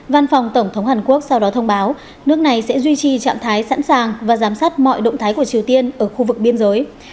văn phòng tổng thống hàn quốc sau đó thông báo nước này sẽ duy trì trạng thái sẵn sàng và giám sát mọi động thái của triều tiên ở khu vực biên giới